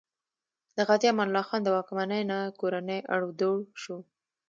د غازي امان الله خان له واکمنۍ نه کورنی اړو دوړ شو.